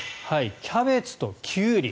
キャベツとキュウリ。